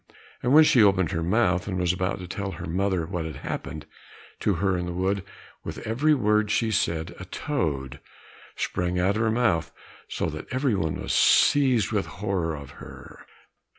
And when she opened her mouth, and was about to tell her mother what had happened to her in the wood, with every word she said, a toad sprang out of her mouth, so that every one was seized with horror of her.